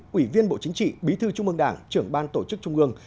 quỷ viên bộ chính trị bí thư trung mương đảng trưởng ban tổ chức trung mương